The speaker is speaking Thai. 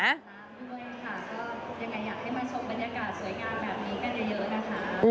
ครับทุกคนค่ะก็อย่างไรอยากให้มันชมบรรยากาศสวยงามแบบนี้กันเยอะนะคะ